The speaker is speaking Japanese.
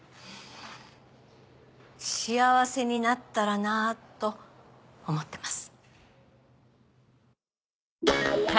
幸せになったらなと思ってます。